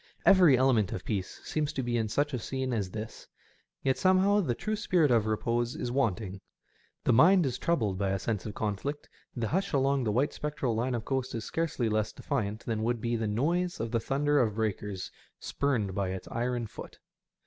Every element of peace seems to be in such a scene as this, yet somehow the true spirit of repose is wanting. The mind is troubled by a sense of conflict, the hush along the white spectral line of coast is scarcely less defiant than would be the noise of the thunder of breakers spurned by its iron foot.